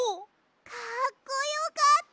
かっこよかった！